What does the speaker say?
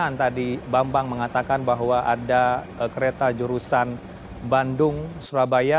dan tadi bang bang mengatakan bahwa ada kereta jurusan bandung surabaya